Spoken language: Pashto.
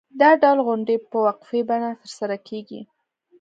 دا ډول غونډې په وقفې بڼه ترسره کېږي.